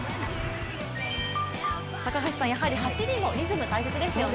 高橋さん、やはり走りもリズム大切ですよね？